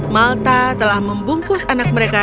malta telah membungkus anak mereka